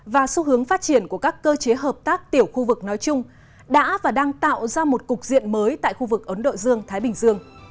và xu hướng phát triển của các cơ chế hợp tác tiểu khu vực nói chung đã và đang tạo ra một cục diện mới tại khu vực ấn độ dương thái bình dương